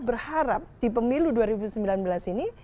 berharap di pemilu dua ribu sembilan belas ini